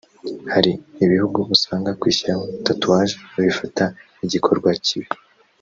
Hari ibihugu usanga kwishyiraho tatouage babifata nk’igikorwa kibi